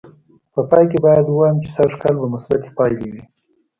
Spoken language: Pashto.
په پای کې باید ووایم چې سږ کال به مثبتې پایلې وې.